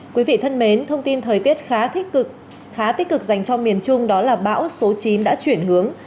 quý vị thân mến thông tin thời tiết khá tích cực dành cho miền trung đó là bão số chín đã chuyển hướng